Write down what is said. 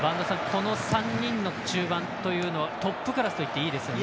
この３人の中盤というのはトップクラスといっていいですよね。